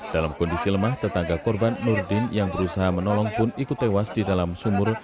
dalam kondisi lemah tetangga korban nurdin yang berusaha menolong pun ikut tewas di dalam sumur